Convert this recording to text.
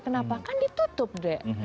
kenapa kan ditutup deh